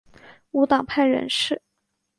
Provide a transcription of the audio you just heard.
无党派人士。